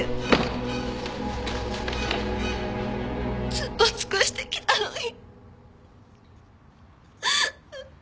ずっと尽くしてきたのに。